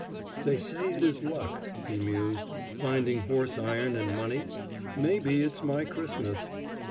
"They say it is luck," he mused, "finding horse iron and money. Maybe it's my Christmas.